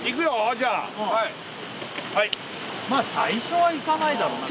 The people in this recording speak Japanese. じゃあはいまあ最初はいかないだろうな